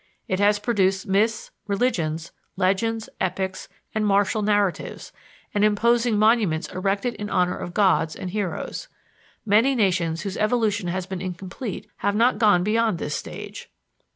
It has produced myths, religions, legends, epics and martial narratives, and imposing monuments erected in honor of gods and heroes. Many nations whose evolution has been incomplete have not gone beyond this stage.